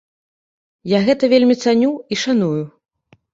Я гэта вельмі цаню і шаную.